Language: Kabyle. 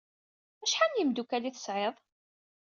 Acḥal n yimeddukal ay tesɛiḍ?